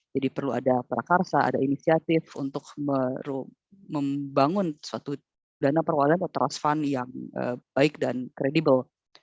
jadi perlu ada prakarsa ada inisiatif untuk membangun suatu dana perwalaan atau trust fund yang baik dan kredibel